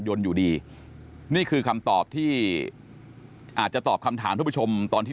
อยู่ดีนี่คือคำตอบที่อาจจะตอบคำถามทุกผู้ชมตอนที่